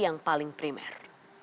yang paling primer